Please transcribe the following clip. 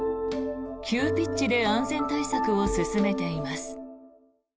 急ピッチで安全対策を進めています。